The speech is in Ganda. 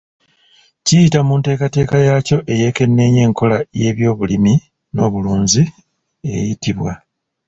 Kiyita mu nteekateeka yaakyo eyeekenneenya enkola y’ebyobulimi n’obulunzi eyitibwa.